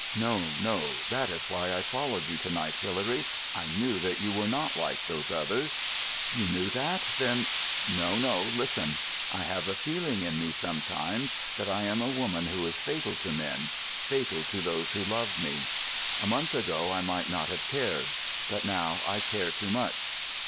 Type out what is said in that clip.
"No, no; that is why I followed you to night. Hilary, I knew that you were not like those others." "You knew that! Then——" "No, no; listen. I have a feeling in me sometimes that I am a woman who is fatal to men—fatal to those who love me. A month ago I might not have cared, but now I care too much.